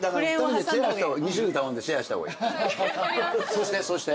そうしてそうして。